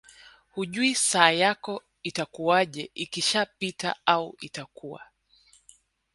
hujui sasa yako itakuwaje ikishapita au itakuwa